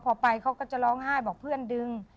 พอไปเขาก็จะร้องไห้บอกเพื่อนดึง